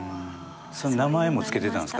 名前も付けてたんです？